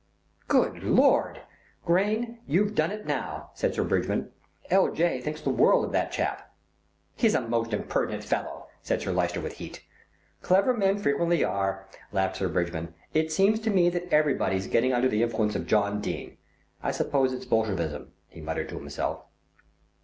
"Good Lord! Grayne, you've done it now," said Sir Bridgman. "L. J. thinks the world of that chap." "He's a most impertinent fellow," said Sir Lyster with heat. "Clever men frequently are," laughed Sir Bridgman. "It seems to me that everybody's getting under the influence of John Dene. I suppose it's Bolshevism," he muttered to himself.